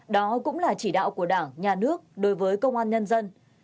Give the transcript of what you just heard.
đó cũng là chỉ đạo của đảng nhà nước đối với công an nhân dân